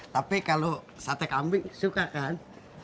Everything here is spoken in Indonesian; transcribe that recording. tapi kalau sate kambing suka kan